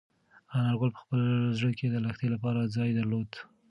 انارګل په خپل زړه کې د لښتې لپاره ځای درلود.